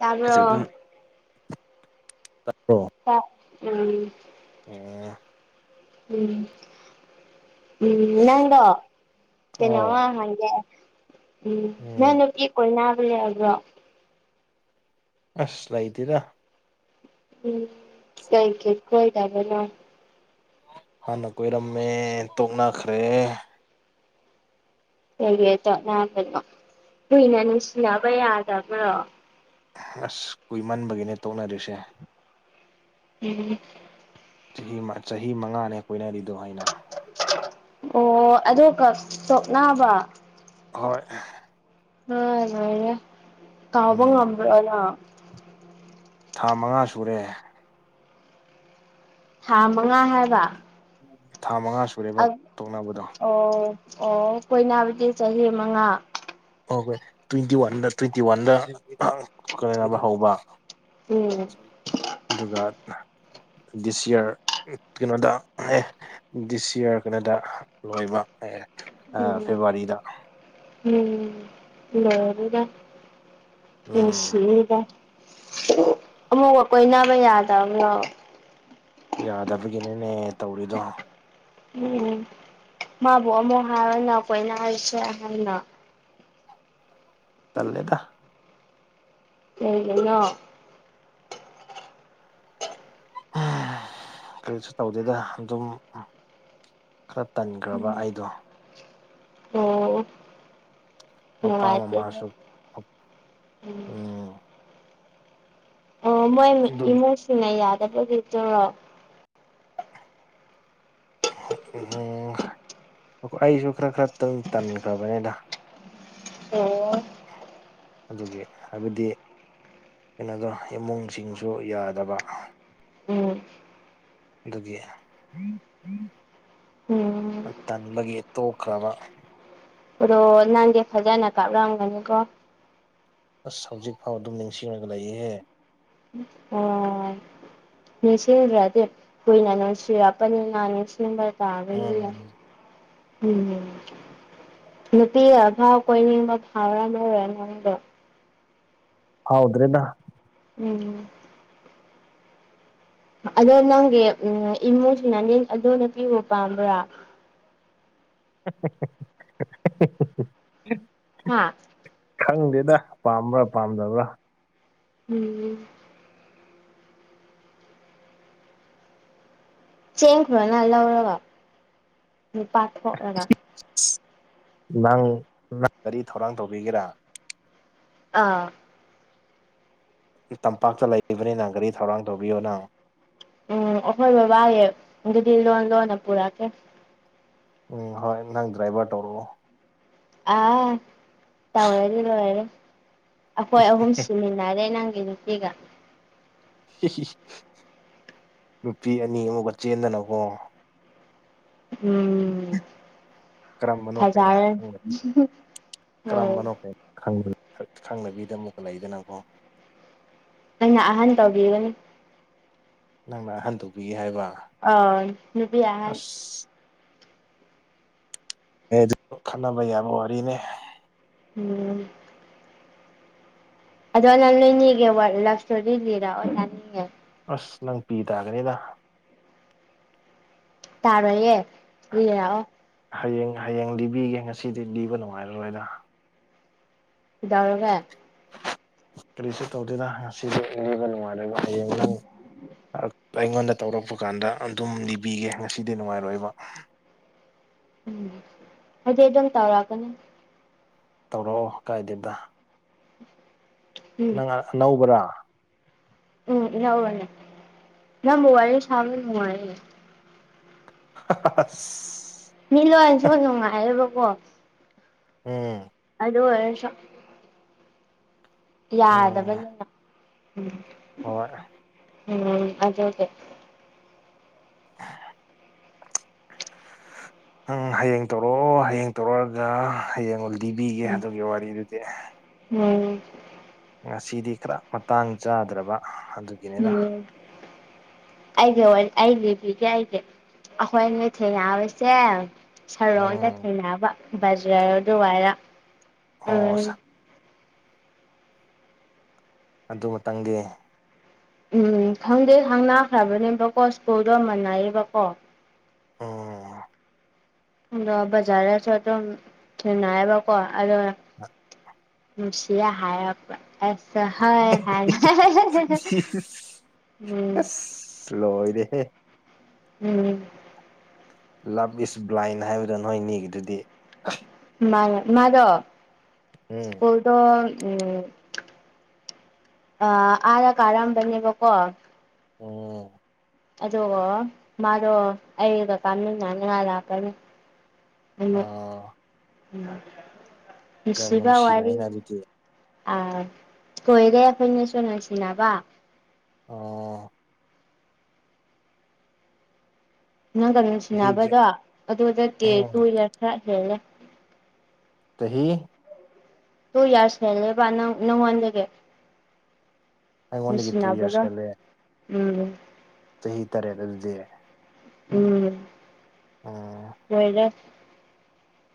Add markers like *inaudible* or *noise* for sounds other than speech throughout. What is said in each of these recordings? ꯇꯥꯕ꯭ꯔꯣ ꯎꯝ ꯑꯣ ꯎꯝ ꯎꯝ ꯅꯪꯗꯣ ꯑꯥꯎ ꯀꯩꯅꯣꯃꯥ ꯍꯪꯪꯪꯒ‌ꯦ ꯎꯝ ꯅꯪ ꯅꯨꯄꯤ ꯀꯣꯏꯅꯥꯕ ꯂꯩꯔꯕ꯭ꯔꯣ ꯑꯁ ꯂꯩꯇꯦꯔ ꯎꯝ ꯊꯦꯡꯀ ꯀꯣꯏ ꯅ ꯍꯥꯟꯅ ꯀꯣꯏꯔꯝꯃꯦ ꯇꯣꯛꯅꯈ꯭ꯔꯦ ꯀꯒꯤꯗꯣ ꯅꯕꯅꯣ ꯀꯨꯏꯅ ꯅꯨꯡꯁꯤꯅꯕ ꯌꯥꯗꯕ꯭ꯔꯣ ꯑꯁ ꯀꯨꯏꯃꯟꯕꯒꯤꯅꯦ ꯇꯣꯛꯅꯔꯤꯁꯦ ꯎꯝ ꯆꯍꯤ ꯆꯍꯤ ꯃꯉꯥꯅꯦ ꯀꯣꯏꯅꯔꯤꯗꯣ ꯍꯥꯏꯅ ꯑꯣ ꯑ ꯀ ꯇꯣꯛꯅꯕ ꯍꯣꯏ ꯍ‌ꯣꯏ ꯉꯥꯏꯔ‌ꯦ ꯀꯧꯕ ꯎꯝ ꯉꯝꯕ꯭ꯔꯣ ꯅꯪ ꯊꯥ ꯃꯉꯥ ꯁꯨꯔꯦ ꯊꯥ ꯃꯉꯥ ꯍꯥꯏꯕ ꯊꯥ ꯃꯉꯥ ꯁꯨꯔꯦꯕ ꯇꯣꯛꯅꯕꯗꯣ ꯑꯣ ꯑꯣ ꯀꯣꯏꯅꯕꯗꯤ ꯆꯍꯤ ꯃꯉꯥ ꯀꯧꯈꯔ‌ꯦ ꯇ꯭ꯋꯦꯟꯇꯤ ꯋꯥꯟꯗ ꯇ꯭ꯋꯦꯟꯇꯤ ꯋꯥꯟꯗ *unintelligible* ꯈꯔ ꯌꯥꯝ ꯍꯧꯕ ꯎꯝ ꯑꯗꯨꯒ ꯗꯤꯁ ꯏꯌꯥꯔ ꯎꯝ ꯀꯩꯅꯣꯗ ꯍꯥꯏꯌ‌ꯦ ꯗꯤꯁ ꯏꯌꯥꯔ ꯀꯩꯅꯣꯗ ꯂꯣꯏꯕ ꯑꯦ ꯑꯥ ꯎꯝ ꯐꯦꯕꯋꯥꯔꯤꯗ ꯎꯝ ꯂꯣꯏꯔꯕꯅꯤꯅ ꯎꯝ ꯎꯅꯁꯤꯗ ꯑꯃꯨꯛꯒ ꯀꯣꯏꯅꯕ ꯌꯥꯗꯕ꯭ꯔꯣ ꯌꯥꯗꯕꯒꯤꯅꯤꯅꯦ ꯇꯧꯔꯤꯗꯣ ꯎꯝ ꯃꯥꯕꯨ ꯑꯃꯨꯛ ꯍꯥꯏꯔꯅ ꯑꯩꯈ‌ꯣꯏꯅ ꯍꯥꯏꯔꯤꯁꯦ ꯍꯥꯏꯅ ꯇꯜꯂ‌ꯦꯗ ꯀꯩꯒꯤꯅ‌ꯣ ꯍꯥ ꯀꯔꯤꯁꯨ ꯇꯧꯗꯦꯗ ꯑꯗꯨꯝ ꯈꯔ ꯇꯟꯈ꯭ꯔꯕ ꯎꯝ ꯑꯩꯗꯣ ꯑꯣ ꯃꯄꯥ ꯅꯨꯡꯉꯥꯏꯇ‌ꯦꯅ‌ꯦ ꯃꯃꯥꯁꯨ ꯎꯝ ꯑꯣ ꯃꯣꯏ ꯑꯗꯨꯒꯤ ꯏꯃꯨꯡꯁꯤꯡꯅ ꯌꯥꯗꯕꯒꯤꯗꯨꯔꯣ ꯎꯝ ꯑꯩꯈ‌ꯣꯏ ꯑꯩꯁꯨ ꯈꯔ ꯈꯔꯇꯪ ꯇꯟꯈ꯭ꯔꯕꯅꯤꯗ ꯑꯣ ꯑꯗꯨꯒꯤ ꯍꯥꯏꯕꯗꯤ ꯏꯪꯉꯗꯔ‌ꯣ ꯏꯃꯨꯡꯁꯤꯡꯁꯨ ꯌꯥꯗꯕ ꯎꯝ ꯑꯗꯨꯗꯤ ꯎꯝ ꯑ ꯇꯟꯕꯒꯤ ꯇꯣꯛꯈ꯭ꯔꯕ ꯑꯗꯣ ꯅꯪꯗꯤ ꯐꯖꯅ ꯀꯥꯞꯂꯝꯒꯅꯤꯀꯣ ꯑꯁ ꯍꯧꯖꯤꯛ ꯐꯥꯎ ꯑꯗꯨꯝ ꯅꯤꯡꯁꯤꯡꯉꯒ ꯂꯩꯌꯦꯍꯦ ꯑꯣ ꯅꯤꯡꯁꯤꯡꯗꯔꯗꯤ ꯀꯨꯏꯅ ꯅꯨꯡꯁꯤꯔꯛꯄꯅꯤꯅ ꯅꯤꯡꯁꯤꯡꯕ ꯇꯥꯕꯅꯤꯅ ꯎꯝ ꯍꯨꯝ ꯅꯨꯄꯤ ꯑꯚꯥꯎ ꯀꯣꯏꯅꯤꯡꯕ ꯐꯥꯎꯔ ꯑꯃꯔ ꯅꯗꯣ ꯍꯥꯎꯗ꯭ꯔꯦꯅ ꯎꯝ ꯑꯗꯣ ꯅꯪꯒꯤ ꯎ ꯏꯃꯨꯡꯁꯤꯡꯅꯅꯦ ꯑꯗꯣꯅ ꯄꯤꯕ ꯄꯥꯝꯕ꯭ꯔꯥ *inaudible* ꯍꯥ ꯈꯪꯗꯦꯗ ꯄꯥꯝꯕ꯭ꯔꯥ ꯄꯥꯝꯗꯕ꯭ꯔꯥ ꯎꯝ ꯆꯦꯡꯈꯨꯔꯅ ꯂꯧꯔꯒ ꯅꯨꯄꯥ ꯊꯣꯛꯂꯒ ꯅꯪ ꯀꯔꯤ ꯊꯧꯔꯥꯡ ꯇꯧꯕꯤꯒꯦꯔꯥ ꯑꯥ ꯇꯝꯄꯥꯛꯇ ꯂꯩꯕꯅꯤꯅ ꯒꯥꯔꯤ ꯊꯧꯔꯥꯡ ꯇꯧꯕꯤꯌꯣꯅ ꯎꯝ ꯑꯩꯈꯣꯏ ꯕꯕꯥꯒꯤ ꯑꯗꯨꯗꯤ ꯂꯣꯟ ꯂꯣꯟꯅ ꯄꯨꯔꯛꯀꯦ ꯎꯝ ꯍꯣꯏ ꯅꯪ ꯗ꯭ꯔꯥꯏꯚꯔ ꯇꯧꯔꯛꯑꯣ ꯑꯥ ꯇꯧꯔꯒ‌ꯦ ꯇꯧꯔꯒ‌ꯦ ꯑꯩꯈꯣꯏ ꯑꯍꯨꯝ ꯁꯤꯃꯤꯟꯅꯔꯦ ꯅꯪꯒꯤ ꯅꯨꯄꯤꯒ ꯅꯨꯄꯤ ꯑꯅꯤ ꯑꯃꯀꯥ ꯆꯦꯟꯗꯅꯀꯣ ꯎꯝ ꯀꯔꯝꯕꯅꯣ ꯀꯩꯅ ꯐꯖꯔꯅꯤ ꯈꯪꯗꯕꯤ ꯍꯣꯏ ꯀꯔꯝꯕꯅꯣ ꯀꯩ ꯈꯪ ꯈꯪꯗꯕꯤꯗ ꯑꯃꯨꯛꯀ ꯂꯩꯗꯅꯀꯣ ꯅꯪꯅ ꯑꯍꯟ ꯇꯧꯕꯤꯒꯅꯤ ꯅꯪꯅ ꯍꯟꯗꯣꯛꯄꯤꯒꯦ ꯍꯥꯏꯕ *unintelligible* ꯑꯁ ꯑꯦ ꯑꯗꯨ ꯈꯟꯅꯕ ꯌꯥꯕ ꯋꯥꯔꯤꯅꯦ ꯎꯝ ꯑꯗ ꯅꯅꯅꯤꯒ ꯂꯚ ꯁꯇꯣꯔꯤ ꯏꯗꯔ ꯅ ꯑꯁ ꯅꯪ ꯄꯤ ꯇꯥꯒꯅꯤꯗ ꯇꯥꯔꯣꯏꯌꯦꯦ ꯂꯩꯔꯥꯛꯑꯣ ꯍꯌꯦꯡ ꯍꯌꯦꯡ ꯂꯤꯕꯤꯒꯦ ꯉꯁꯤꯗꯤ ꯂꯤꯕ ꯅꯨꯡꯉꯥꯏꯔꯔꯣꯏꯗ ꯏꯗꯎꯔꯒ ꯀꯔꯤꯁꯨ ꯇꯧꯗꯦꯗ ꯉꯁꯤꯁꯦꯕ ꯅꯨꯡꯉꯥꯏꯔ ꯍꯌꯦꯡ ꯑꯩꯉꯣꯟꯗ ꯇꯧꯔꯛꯄ ꯀꯥꯟꯗ ꯑꯗꯨꯝ ꯂꯤꯕꯤꯒꯦ ꯉꯁꯤꯗꯤ ꯅꯨꯡꯉꯥꯏꯔꯣꯏꯕ ꯎꯝ ꯍꯥꯏꯗꯤ ꯑꯗꯨꯝ ꯇꯧꯔꯛꯀꯅꯤ ꯇꯧꯔꯛꯑꯣ ꯀꯥꯏꯗꯦꯗ ꯎꯝ ꯅꯪ ꯑꯅꯧꯕꯔꯥ ꯎꯝ ꯌꯥꯎ ꯋꯥꯅꯦ ꯅꯪꯒ ꯋꯥꯔꯤ ꯁꯥꯕ ꯅꯨꯡꯉꯥꯏꯅꯦ *unintelligible* ꯃꯤ ꯂꯣꯏꯔꯁꯨ ꯅꯨꯡꯉꯥꯏꯌꯦꯕꯀꯣ ꯎꯝ ꯑꯗꯨꯑꯣꯏꯔꯁꯨ ꯎꯝ ꯌꯥꯗꯕꯅꯤꯅ ꯎꯝ ꯍꯣꯏ ꯎꯝ ꯑꯗꯗꯦ *inaudible* ꯎꯝ ꯍꯌꯦꯡ ꯇꯧꯔꯛꯑꯣ ꯍꯌꯦꯡ ꯇꯧꯔꯛꯑꯒ ꯍꯌꯦꯡꯂ ꯗꯤꯕꯤꯒꯦ ꯎꯝ ꯑꯗꯨꯒꯤ ꯋꯥꯔꯤꯗꯨꯗꯤ ꯎꯝ ꯉꯁꯤꯗꯤ ꯈꯔ ꯃꯇꯥꯡ ꯆꯥꯗ꯭ꯔꯕ ꯑꯗꯨ ꯑꯣꯝ ꯑꯩꯒꯤ ꯑꯩꯒꯤꯕꯤꯒꯦ ꯑꯩꯒꯤ ꯑꯩꯈꯣꯏ ꯑ ꯅꯤ ꯊꯦꯡꯅꯕꯁꯦ ꯁꯔꯣꯗ ꯎꯝ ꯊꯦꯡꯅꯕ ꯕꯖꯥꯔ ꯑꯗꯨ ꯋꯥꯏꯗ ꯑꯣ ꯑꯗꯨꯃꯇꯪꯒꯤ ꯎꯝ ꯈꯪꯗꯦ ꯈꯪꯅꯈ꯭ꯔꯕꯅꯦꯕꯀꯣ ꯁ꯭ꯀꯨꯜꯗꯣ ꯃꯥꯟꯅꯩꯌꯦꯕꯀꯣ ꯑꯣ ꯑꯗꯣ ꯕꯖꯥꯔꯗꯁꯨ ꯑꯗꯨꯝ ꯊꯦꯡꯅꯌꯦꯕꯀꯣ ꯑꯗꯣ ꯑ ꯅꯨꯡꯁꯤꯌꯦ ꯍꯥꯏꯌꯦ ꯑꯩꯁꯨ ꯍꯣꯏ ꯍꯥꯏ *unintelligible* ꯎꯝ ꯑꯁ ꯂꯣꯏꯔꯦꯍꯦ ꯎꯝ ꯂꯞ ꯏꯁ ꯕ꯭ꯂꯥꯏꯟ ꯍꯥꯏꯕꯗꯣ ꯅꯣꯏ ꯑꯅꯤꯒꯤꯗꯨꯗꯤ ꯃꯥꯅꯤ ꯃꯥꯗꯣ ꯎꯝ ꯑꯣ ꯑꯝ ꯑꯥꯗ ꯀꯥꯔꯝꯕꯅꯦꯕꯀꯣ ꯑꯣ ꯑꯗꯨ ꯃꯥꯗꯣ ꯑꯩꯒ ꯀꯥꯃꯤꯟꯅꯅꯤꯉꯥꯏ ꯂꯥꯛꯀꯅꯤ ꯑ *unintelligible* ꯌꯥꯝ ꯅꯨꯡꯁꯤꯕ ꯋꯥꯔꯤ ꯅꯨꯡꯁꯤꯅꯩꯅ ꯑꯗꯨꯗꯤ ꯑꯥ ꯀꯣꯏꯔꯦ ꯑꯩꯈꯣꯏꯅꯤꯁꯨ ꯅꯨꯡꯁꯤꯅꯕ ꯑꯣ ꯅꯪꯒ ꯆꯍꯤꯒꯤ ꯅꯨꯡꯁꯤꯅꯕꯗꯣ ꯑꯗꯨꯗ ꯀꯦ ꯎꯝ ꯇꯨ ꯌꯥꯔ ꯈꯔ ꯍꯦꯜꯂꯦ ꯆꯍꯤ ꯇꯨ ꯏꯌꯥꯔꯁ ꯍꯦꯟ ꯂꯦꯕ ꯅꯉꯣꯟꯗꯒꯤ ꯃꯦꯆ ꯑꯩꯉꯣꯟꯗꯒꯤ ꯇꯨ ꯌꯔꯁ ꯅꯕꯒ ꯍꯦꯜꯂꯦ ꯎꯝ ꯆꯍꯤ ꯇꯔꯦꯠ ꯑꯗꯨꯗꯤ ꯎꯝ ꯎꯝ *unintelligible*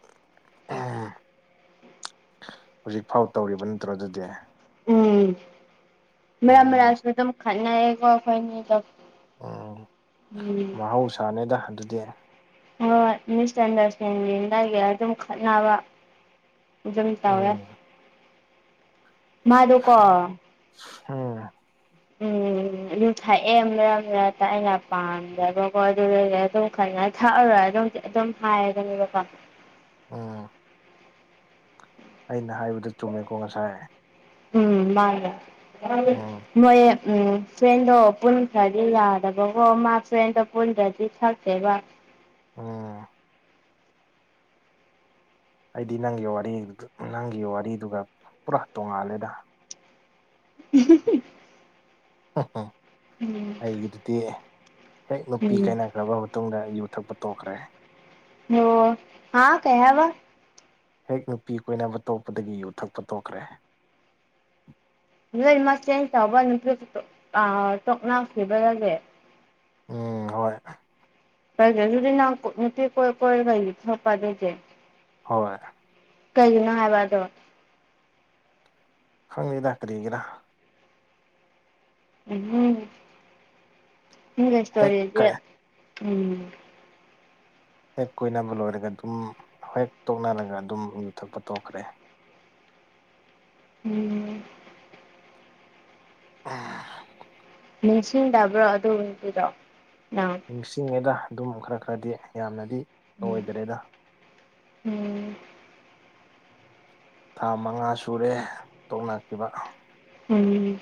*unintelligible* ꯍꯧꯖꯤꯛ ꯐꯥꯎ ꯇꯧꯔꯤꯕ ꯅꯠꯇ꯭ꯔꯣ ꯑꯗꯨꯗꯤ ꯎꯝ ꯃꯔꯛ ꯎꯝ ꯃꯔꯥꯛꯁꯨ ꯑꯗꯨꯝ ꯈꯠꯅꯩꯌꯦꯀꯣ ꯑꯩꯈꯣꯏꯅꯤ ꯑꯗꯨꯝ ꯎꯝ ꯃꯍꯧꯁꯥꯅꯦꯗ ꯑꯗꯨꯗꯤ ꯍꯣꯏ ꯃꯤꯁ ꯑꯟꯗ꯭ꯔꯁꯇꯦꯟꯗꯒꯤ ꯑꯗꯨꯝ ꯈꯠꯅꯕ ꯖꯪ ꯇꯧꯋꯦ ꯎꯝ ꯃꯥꯗꯨ ꯀꯣ ꯍꯝ ꯎꯝ ꯑꯗꯨ ꯊꯥꯛꯑꯦ ꯃꯔꯛ ꯃꯔꯛꯇ ꯑꯩꯅ ꯄꯥꯝꯗꯕꯀꯣ ꯑꯗꯨꯗꯩꯗ ꯑꯗꯨꯝ ꯐꯖꯅ ꯊꯥꯛꯛꯑꯔꯒ ꯑꯗꯨꯝ꯫ ꯑꯗꯨꯝ ꯍꯥꯏꯔꯒꯅꯦꯕꯀ꯫ ꯑꯣ꯫ ꯑꯩꯅ ꯍꯥꯏꯕꯗ ꯆꯨꯝꯃꯦꯀꯣ ꯉꯁꯥꯏ ꯎꯝ ꯃꯥꯔꯂ ꯎꯝ ꯃꯣꯏ ꯐ꯭ꯔꯦꯟꯗꯣ ꯄꯨꯟꯈ꯭ꯔꯗꯤ ꯌꯥꯗꯕꯀꯣ ꯃꯥ ꯐ꯭ꯔꯦꯟꯗꯣ ꯄꯨꯟꯈ꯭ꯔꯗꯤ ꯊꯛꯛꯇꯦꯕ ꯑꯣ ꯑꯩꯗꯤ ꯅꯪꯒꯤ ꯋꯥꯔꯤ ꯅꯪꯒꯤ ꯋꯥꯔꯤꯗꯨꯒ ꯄꯨꯔꯥ ꯇꯣꯡꯉꯥꯜꯂꯦꯗ *unintelligible* *unintelligible* ꯎꯝ ꯑꯩꯒꯤꯗꯨꯗꯤ ꯍꯦꯛ ꯅꯨꯄꯤ ꯎꯝ ꯀꯥꯏꯅꯈ꯭ꯔꯕ ꯃꯇꯨꯡꯗ ꯌꯨ ꯊꯛꯄ ꯇꯣꯛꯈ꯭ꯔꯦ ꯑꯣ ꯍꯥꯥ ꯀꯩ ꯍꯥꯏꯕ ꯍꯦꯛ ꯅꯨꯄꯤ ꯀꯣꯏꯅꯕ ꯇꯣꯛꯄꯗꯒꯤ ꯌꯨ ꯊꯛꯄ ꯇꯣꯛꯈ꯭ꯔꯦ ꯅꯣꯏ ꯃꯆꯦꯟ ꯇꯧꯕ ꯅꯨꯄꯤ ꯇꯣꯛꯅꯈꯤꯕꯗꯒꯦ ꯎꯝ ꯍꯣꯏ ꯐꯔꯦ ꯑꯗꯨꯗꯤ ꯅꯪ ꯅꯨꯄꯤ ꯀꯣꯏ ꯀꯣꯏꯔꯒ ꯌꯨ ꯊꯛꯂꯛꯄ ꯑꯗꯨꯗꯤ ꯍꯣꯏ꯫ ꯀꯩꯒꯤꯅꯣ ꯍꯥꯏꯕ ꯑꯗꯣ꯫ ꯈꯪꯗꯦꯗꯥ ꯀꯔꯤꯒꯤꯔꯥ꯫ ꯎꯝ ꯏꯦꯁ ꯍꯦꯛ ꯑꯣꯏꯗ꯭ꯔꯦ ꯎꯝ꯫ ꯍꯦꯛ ꯀꯣꯏꯅꯕ ꯂꯣꯏꯔꯒ ꯑꯗꯨꯝ ꯍ ꯍꯦꯛ ꯇꯣꯛꯅꯔꯒ ꯑꯗꯨꯝ ꯌꯨꯊꯛꯄ ꯇꯣꯛꯈ꯭ꯔꯦ ꯎꯝ ꯎ ꯅꯤꯡꯁꯤꯡꯗꯕ꯭ꯔꯣ ꯑꯗꯨꯗꯨꯔꯣ ꯅꯪ ꯅꯤꯡꯁꯤꯡꯉꯦꯗ ꯑꯗꯨꯝ ꯈꯔ ꯈꯔꯗꯤ ꯌꯥꯝꯅꯗꯤ ꯎꯝ ꯑꯣꯏꯗ꯭ꯔꯦꯗ ꯎꯝ ꯊꯥ ꯃꯉꯥ ꯁꯨꯔꯦ ꯇꯧꯅꯈꯤꯕ ꯎꯝ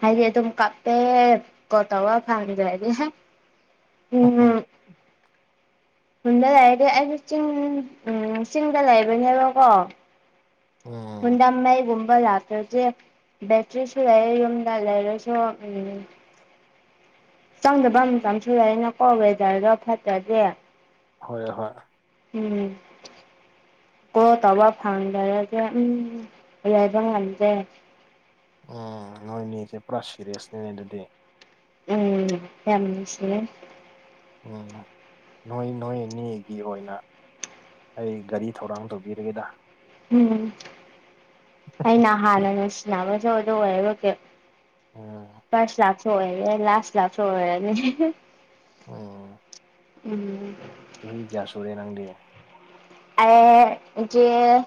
ꯍꯥꯏꯗꯤ ꯑꯗꯨꯝ ꯀꯞꯄꯦ ꯀꯣꯠꯇꯋꯥ ꯐꯗ꯭ꯔ ꯍꯥꯏꯗꯤ ꯎꯝ ꯎꯝ ꯈꯨꯟꯗ ꯂꯩꯔꯗꯤ ꯑꯩꯁꯨ ꯆꯤꯡ ꯎ ꯆꯤꯡꯗ ꯂꯩꯕꯅꯦꯕꯀꯣ ꯑꯣ ꯍꯨꯟꯗ ꯃꯒꯨꯝꯕ ꯂꯇꯔꯁꯦ ꯕꯦꯇ꯭ꯔꯤꯁꯨ ꯂꯩ ꯌꯨꯝꯗ ꯂꯩꯔꯁꯨ ꯎꯝ ꯆꯪꯗꯕ ꯃꯇꯝꯁꯨ ꯂꯩꯅꯀꯣ ꯋꯦꯗꯔꯗꯣ ꯐꯠꯇ꯭ꯔꯗꯤꯦ ꯍꯣꯏ ꯍꯣꯏ ꯎꯝ ꯀꯣ ꯇꯧꯕ ꯐꯪꯗꯔꯗꯤꯦ ꯎꯝ ꯌꯥꯕ ꯉꯝꯗꯦ ꯎꯝ ꯅꯣꯏꯅꯦ ꯏꯆꯦ ꯄꯨꯔꯥ ꯁꯤꯦꯔꯤꯌꯁꯅꯦꯅꯦ ꯑꯗꯨꯗꯤ ꯎꯝ ꯌꯥꯝꯁꯤ ꯎꯝ ꯅꯣꯏ ꯅꯣꯏ ꯑꯅꯤꯒꯤ ꯑꯣꯏꯅ ꯑꯩ ꯒꯥꯔꯤ ꯊꯧꯔꯥꯡ ꯇꯧꯕꯤꯔꯒꯦꯗ ꯎꯝ ꯑꯩꯅ ꯍꯥꯟꯅ ꯅꯨꯡꯁꯤꯅꯕꯁꯨ ꯑꯗꯨ ꯑꯣꯏꯔꯒ ꯑꯣ ꯐꯁ ꯂꯥꯛꯁꯨ ꯑꯣꯏꯦ ꯂꯥꯁ ꯂꯥꯛꯁꯨ ꯑꯣꯏꯋꯦꯅꯦ ꯎꯝ꯫ ꯎꯝ꯫ ꯆꯍꯤ ꯀꯌꯥ ꯁꯨꯔꯦ ꯅꯪꯗꯤ꯫ ꯑꯩ *unintelligible*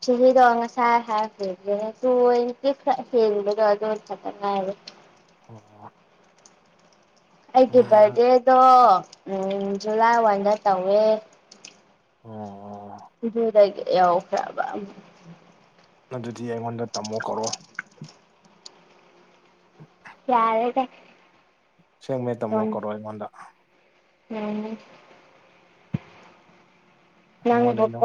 ꯁꯤꯗ ꯁ ꯍꯥꯥꯏ ꯐꯦ ꯇ ꯍꯦꯂ꯫ ꯑꯣ ꯑꯩꯒꯤ ꯕꯥꯔꯗꯦꯗꯣ ꯖꯨꯂꯥꯏ ꯋꯥꯟꯗ ꯇꯧꯋꯦ ꯑꯣ ꯑꯗꯨꯗꯗ ꯌꯥ ꯈꯔꯕ ꯑꯗꯨꯗꯤ ꯑꯩꯉꯣꯟꯗ ꯇꯝꯃꯣ ꯀꯧꯔꯣ ꯎ ꯌꯥꯔꯦꯒ ꯁꯦꯡꯃꯦ ꯇꯝꯃꯣ ꯀꯧꯔꯣ ꯑꯩꯉꯣꯟꯗ ꯎꯝ ꯅꯪ ꯑꯩꯉꯣꯟꯗ ꯑꯗꯨꯝ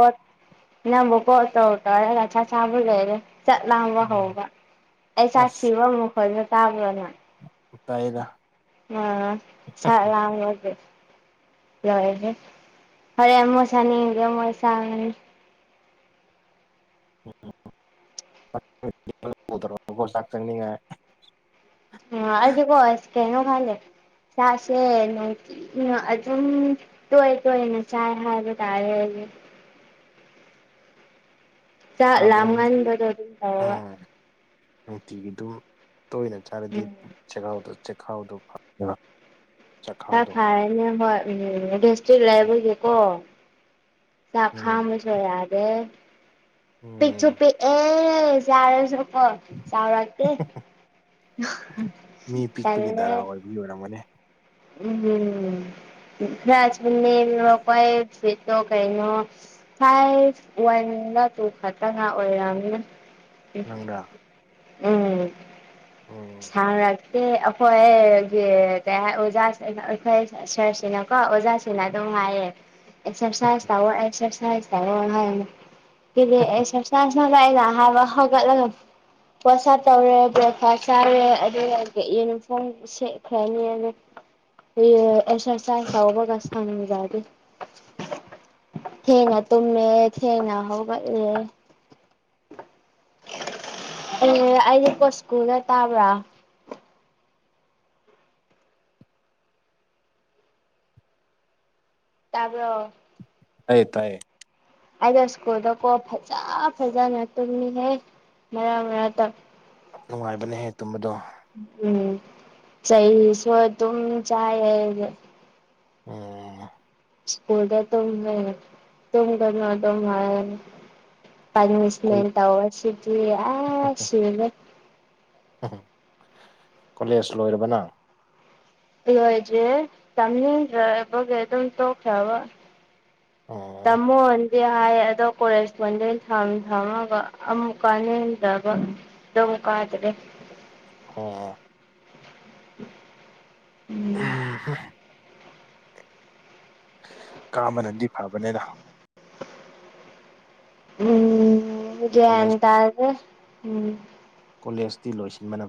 ꯅꯪꯕꯨ ꯀꯣ ꯇ ꯎ ꯇꯔ ꯆ ꯆꯕꯗꯦ ꯆꯠ ꯂꯥꯡꯕ ꯍꯧꯕ ꯑꯩ ꯑꯁ ꯆꯥꯛꯊꯤꯕ ꯑꯃꯨꯛ ꯈꯣꯏꯁꯨ ꯇꯥꯕ꯭ꯔꯣꯅ ꯇꯥꯏꯗ꯫ ꯑ ꯑ ꯑꯣꯏ꯫ ꯌꯥꯣꯏꯁꯦ ꯐꯔꯦꯟ ꯃꯨꯛ ꯁꯥꯅꯤꯡꯒꯦ ꯃꯣꯏ ꯁꯥꯡꯉꯅꯤ ꯔ ꯆꯪꯉ ꯑꯗꯤ ꯀꯣ ꯀꯩꯅꯣ ꯈꯪꯗꯦ ꯆꯥꯛꯁꯦ ꯅꯨꯡꯊꯤꯟ꯫ ꯎ ꯑꯗꯨꯝ ꯇꯣꯏ ꯇꯣꯏꯅ ꯆꯥꯏ ꯍꯥꯏꯕ ꯇꯥꯔꯦꯗꯤ ꯆꯥꯛ ꯈꯕꯔꯦ ꯂꯥꯝꯒꯟꯕꯗꯣ ꯑꯗꯨꯝ ꯇꯧꯋꯦꯕ ꯎꯝ ꯅꯨꯡꯇꯤꯒꯤ ꯑꯗꯨꯝ ꯇꯣꯏꯅ ꯎꯝ ꯆꯥꯔꯗꯤꯥꯎꯗ ꯆꯦꯛꯈꯥꯎꯗꯣ ꯐ ꯈꯔ ꯐꯔꯦꯅꯦ ꯍꯣꯏ ꯎꯝ ꯁꯇ꯭ꯔꯤꯛ ꯎꯝ ꯂꯩꯕꯒꯤꯦꯀꯣ ꯎꯝ ꯆꯈꯥꯝꯕꯁꯨ ꯌꯥꯗꯦ ꯎꯝ ꯆꯨꯞꯄꯤ ꯑꯦ ꯆꯥꯔꯁꯨꯀꯣ ꯆꯥꯎꯔꯛꯀꯦ ꯃꯤ ꯄꯤꯛꯄꯒꯤ ꯇꯜꯂꯦ ꯗꯔꯥ ꯑꯣꯏꯕꯒꯤ ꯑꯣꯏꯔꯝꯃꯅꯤ ꯎꯝ *unintelligible* ꯀꯩꯅꯣ ꯁꯥꯏꯖ ꯋꯥꯟꯒ ꯇꯨ ꯈꯛꯇꯅ ꯑꯣꯏꯔꯝꯅ ꯅꯪꯗ ꯎ ꯎꯝ ꯎꯝ ꯁꯥꯟꯅꯔꯛꯇꯦ ꯑꯩꯈꯣꯏ ꯀ ꯑꯣꯖꯥꯁꯤꯡꯅ ꯑꯩꯈꯣꯏ ꯁꯔꯁꯤꯅ ꯀꯣ ꯑꯣꯖꯥꯁꯤꯅ ꯑꯗꯨꯝ ꯍꯥꯏꯌꯦ ꯑꯦꯛꯁꯔꯁ ꯇꯧꯣ ꯑꯦꯛꯁꯔꯁ ꯇꯥꯣ ꯍꯥꯏ ꯑꯦꯛꯁꯔ ꯥꯏꯅ ꯍꯥꯏꯕ ꯍꯧꯒꯠꯂꯒ ꯄꯣꯠꯁ ꯇꯧꯔꯦ ꯕ꯭ꯔꯦꯛꯐꯥꯁ ꯆꯥꯏꯔꯦ ꯑꯗꯨꯒ ꯌꯨꯅꯤꯐꯣꯔꯝ ꯁꯦꯠꯈ꯭ꯔꯅꯤ ꯑꯗꯨ ꯑꯦꯁ ꯆꯁꯥꯎꯕꯒ ꯁ ꯊꯅꯖꯗꯦ ꯊꯦꯡꯉ ꯇꯨꯝꯃꯦꯃꯦ ꯊꯦꯡꯉ ꯍꯒꯜꯦ ꯑꯦ ꯑꯩꯁꯦ ꯀꯣꯠꯁꯀꯨꯜꯒ ꯇꯥꯕ꯭ꯔꯥ ꯇꯥꯕ꯭ꯔꯣ ꯇꯥꯏ ꯇꯥꯏ ꯑꯩꯗ ꯁ꯭ꯀꯨꯜꯗꯀꯣ ꯐꯖ ꯐꯖꯅ ꯇꯨꯝꯃꯤꯉꯩ ꯃꯔꯛ ꯃꯔꯛꯇ ꯅꯨꯡꯉꯥꯏꯕꯅꯦꯍꯦ ꯇꯨꯝꯕꯗꯣ ꯎꯝ ꯆꯩꯁꯨ ꯑꯗꯨꯝ ꯆꯥꯏꯌꯦ ꯑꯩ *unintelligible* ꯁ꯭ꯀꯨꯜꯗ ꯇꯨꯝ ꯂꯩꯔꯦ ꯇꯨꯝꯗꯅ ꯑꯗꯨꯝ ꯍꯥꯏꯔ ꯄꯅꯤꯁꯃꯦꯟꯠ ꯇꯧꯋꯁꯤꯗꯤ ꯑ ꯁꯤꯔꯦ ꯎꯝ ꯀꯣꯂꯦꯖ ꯂꯣꯏꯔꯕꯅ ꯂꯣꯏꯗ꯭ꯔꯤꯌꯦ ꯇꯝꯅꯤꯡꯗ꯭ꯔꯕꯒꯤ ꯑꯗꯨꯝ ꯇꯣꯛꯈ꯭ꯔꯕ ꯑꯣ ꯇꯝꯃꯣꯢ ꯗꯤ ꯍꯥꯏ ꯑꯗꯣ ꯀꯣꯂꯦꯖ ꯀꯣꯟꯗꯦꯜ ꯊꯝꯃꯒ ꯑꯃꯨꯛ ꯀꯥꯟꯅꯤꯡꯗꯕ ꯗꯝ ꯀꯥꯗꯗꯤ *unintelligible* *inaudible* *inaudible* ꯀꯥꯃꯅꯗꯤ ꯐꯕꯅꯤꯅ *inaudible* ꯎꯝ ꯒ꯭ꯌꯥꯟ ꯀꯣꯂꯦꯖ ꯇꯥꯗꯦ ꯎꯝ ꯀꯣꯂꯦꯖꯇꯤ ꯂꯣꯏꯁꯤꯟꯕꯅ